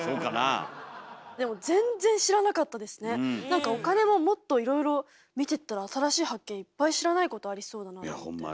何かお金ももっといろいろ見てったら新しい発見いっぱい知らないことありそうだなと思って。